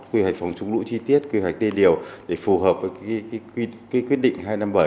quy hoạch phòng chống lũ chi tiết quy hoạch đê điều để phù hợp với quyết định hai trăm năm mươi bảy